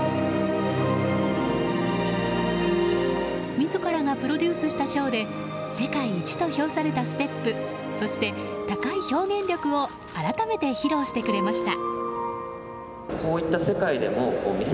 自らがプロデュースしたショーで世界一と評されたステップそして、高い表現力を改めて披露してくれました。